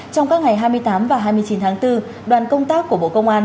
trong các ngày hai mươi tám và hai mươi chín tháng bốn đoàn công tác của bộ công an